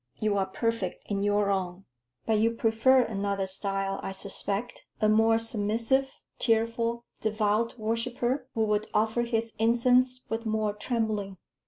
You are perfect in your own." "But you prefer another style, I suspect. A more submissive, tearful, devout worshipper, who would offer his incense with more trembling."